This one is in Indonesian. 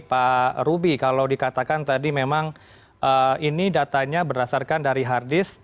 pak ruby kalau dikatakan tadi memang ini datanya berdasarkan dari hard disk